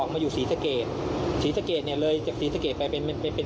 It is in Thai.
มียุคลิปดีอะไรขึ้นคน